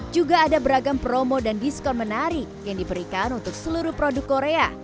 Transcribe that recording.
juga ada beragam promo dan diskon menarik yang diberikan untuk seluruh produk korea